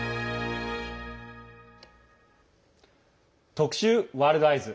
特集「ワールドＥＹＥＳ」。